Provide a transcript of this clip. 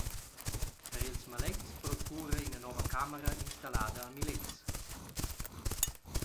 Per ils maletgs procura ina nova camera installada a Milez.